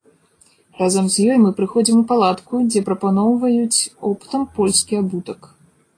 Разам з ёй мы прыходзім у палатку, дзе прапаноўваюць оптам польскі абутак.